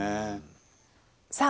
さあ